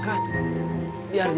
sudah bukan ada